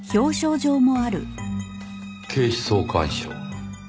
警視総監賞。